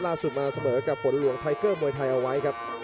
ล่าสุดมาเสมอกับฝนหลวงไทเกอร์มวยไทยเอาไว้ครับ